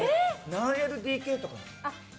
何ＬＤＫとか。